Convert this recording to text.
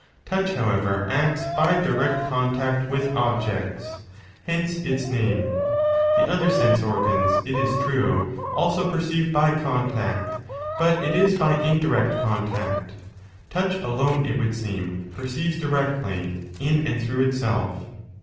"Touch, however, acts by direct contact with objects: hence its name. The other sense organs, it is true, also perceive by contact, but it is by indirect contact: touch alone, it would seem, perceives directly in and through itself.